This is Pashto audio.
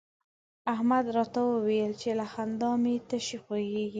احمد راته وويل چې له خندا مې تشي خوږېږي.